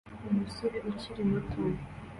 Umusore ukiri muto